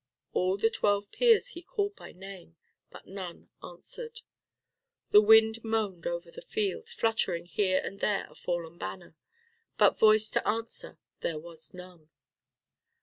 All the twelve peers he called by name. But none answered. The wind moaned over the field, fluttering here and there a fallen banner, but voice to answer there was none.